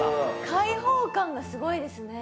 開放感がすごいですね。